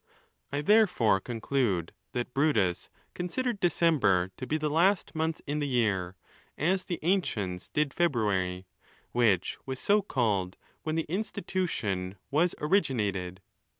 I therefore conclude that Brutus considered December to be the last month in the year, as the ancients did February, which was so called when the institution was originated.